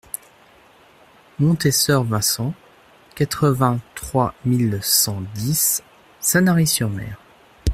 Montée Soeur Vincent, quatre-vingt-trois mille cent dix Sanary-sur-Mer